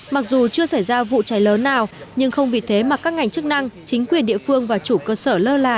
mặc dù chưa xảy ra vụ cháy lớn nào nhưng không vì thế mà các ngành chức năng chính quyền địa phương và chủ cơ sở lơ là